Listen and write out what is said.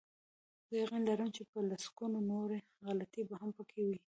زه یقین لرم چې په لسګونو نورې غلطۍ به هم پکې وي.